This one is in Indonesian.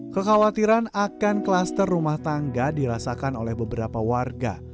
kekhawatiran akan kluster rumah tangga dirasakan oleh beberapa warga